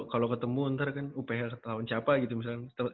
kalau ketemu ntar kan uph lawan siapa gitu misalnya